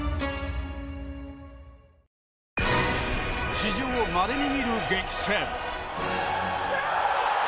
史上まれに見る激戦。